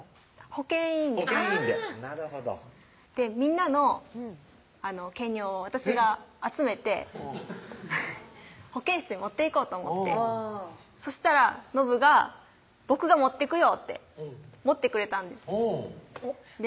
保健委員です保健委員でなるほどみんなの検尿を私が集めて保健室に持っていこうと思ってそしたらのぶが「僕が持ってくよ」って持ってくれたんですうん